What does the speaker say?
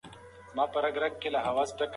د پاني پت میدان له مړو څخه ډک شو.